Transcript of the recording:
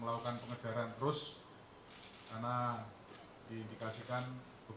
bahwa kewaspadaan seluruh petugas dimintakan itu